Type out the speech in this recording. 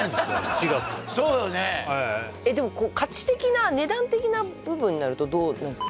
４月そうよねでも価値的な値段的な部分になるとどうなんですか？